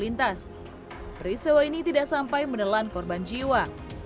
peristiwa ini tidak sampai menelan korban jiwa